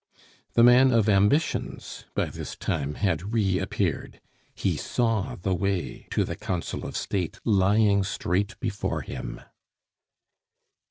The man of ambitions by this time had reappeared; he saw the way to the Council of State lying straight before him.